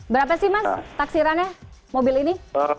berapa sih mas taksirannya mobil ini